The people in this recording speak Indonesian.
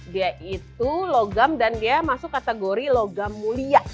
dia itu logam dan dia masuk kategori logam mulia